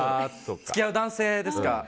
付き合う男性ですか？